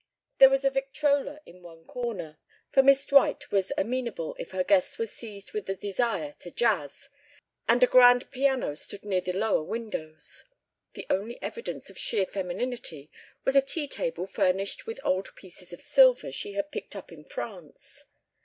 There was a victrola in one corner, for Miss Dwight was amenable if her guests were seized with the desire to jazz, and a grand piano stood near the lower windows. The only evidence of sheer femininity was a tea table furnished with old pieces of silver she had picked up in France.